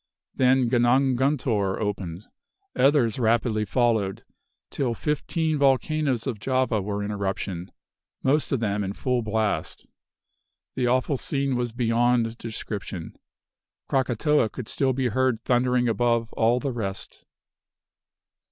Then Gunung guntur opened; others rapidly followed, till fifteen volcanoes of Java were in eruption; most of them in full blast. The awful scene was beyond description. Krakatoa could still be heard thundering above all the rest.